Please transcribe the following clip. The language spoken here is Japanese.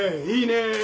いいねぇ。